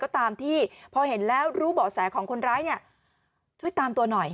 ก็ตามที่พอเห็นแล้วรู้เบาะแสของคนร้ายเนี่ยช่วยตามตัวหน่อย